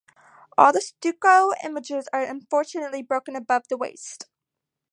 All the stucco images are unfortunately broken above the waist.